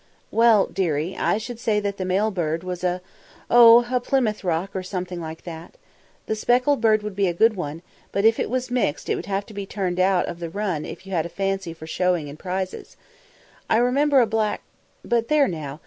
"Well, dearie, I should say that the male bird was a a oh! a Plymouth Rock, or something like that. The speckled bird would be a good one, but if it was mixed it would have to be turned out of the run if you had a fancy for showing and prizes. I remember a black But there now!